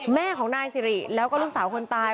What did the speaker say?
แม่ของนายสิริแล้วก็ลูกสาวคนตาย